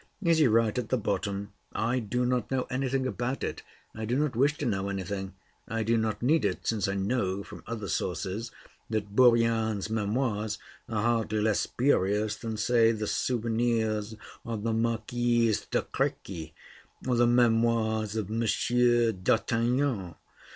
is he right at the bottom? I do not know anything about it; I do not wish to know anything; I do not need it, since I know, from other sources, that 'Bourrienne's Memoirs' are hardly less spurious than, say, the 'Souvenirs of the Marquise de Créqui' or the 'Memoirs of Monsieur d'Artagnan.'